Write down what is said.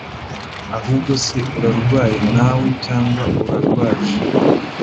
ahubwo se urarwaye nawe cg urarwaje?"